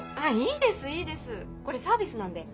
いいですいいですこれサービスなんで。